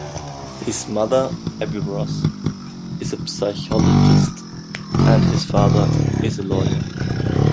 His mother, Abby Ross, is a psychologist, and his father is a lawyer.